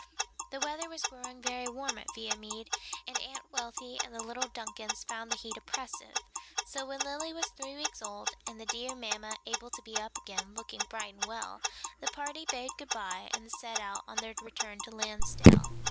The weather was growing very warm at Viamede and Aunt Wealthy and the little Duncans found the heat oppressive; so when Lily was three weeks old and the dear mamma able to be up again, looking bright and well, that party bade good bye and set out on their return to Lansdale.